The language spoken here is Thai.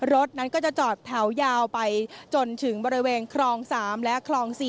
รถนั้นก็จะจอดแถวยาวไปจนถึงบริเวณคลอง๓และคลอง๔